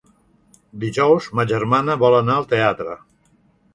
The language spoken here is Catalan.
Dijous ma germana vol anar al teatre.